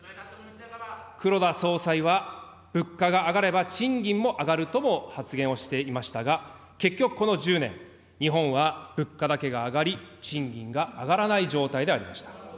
黒田総裁は、物価が上がれば賃金も上がると発言をしていましたが、結局この１０年、日本は物価だけが上がり、賃金が上がらない状態でありました。